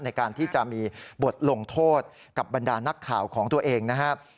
ในการที่จะมีบทลงโทษกับบรรดานักข่าวของตัวเองนะครับ